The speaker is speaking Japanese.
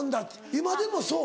今でもそう？